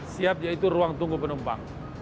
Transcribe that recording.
siap yaitu ruang tunggu penumpang